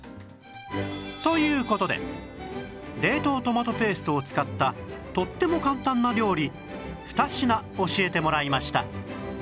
という事で冷凍トマトペーストを使ったとっても簡単な料理２品教えてもらいました